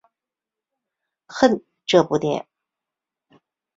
恨这部电影！